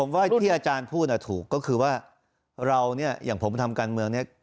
ผมว่าที่อาจารย์พูดถูกก็คือว่าเราเนี่ยอย่างผมทำการเมืองเนี่ย